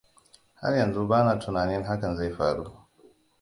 Har yanzu bana tunanin hakan zai faru.